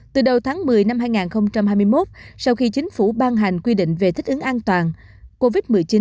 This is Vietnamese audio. từ đầu tháng một mươi năm hai nghìn hai mươi một sau khi chính phủ ban hành quy định về thích ứng an toàn covid một mươi chín